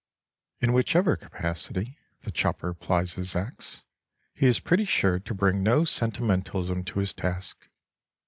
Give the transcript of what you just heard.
In whichever capacity the chopper plies his axe, he is pretty sure to bring no sentimentalism to his task.